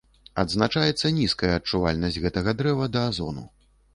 Адзначаецца нізкая адчувальнасць гэтага дрэва да азону.